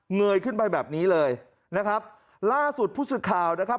เยยขึ้นไปแบบนี้เลยนะครับล่าสุดผู้สื่อข่าวนะครับ